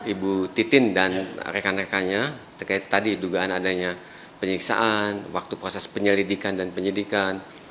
ibu titin dan rekan rekannya terkait tadi dugaan adanya penyiksaan waktu proses penyelidikan dan penyidikan